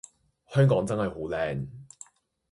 香港真係好靚